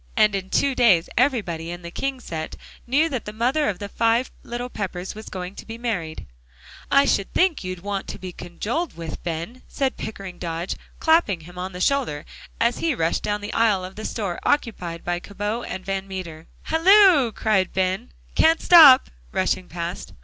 And in two days everybody in the King set knew that the mother of the five little Peppers was going to be married. "I should think you'd want to be condoled with, Ben," said Pickering Dodge, clapping him on the shoulder as he rushed down the aisle of the store occupied by Cabot & Van Meter. "Halloo!" said Ben, "can't stop," rushing past.